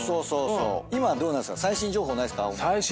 今どうなんですか？